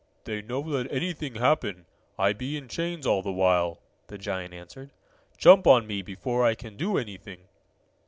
"They no let anything happen. I be in chains all the while," the giant answered. "Jump on me before I can do anything!"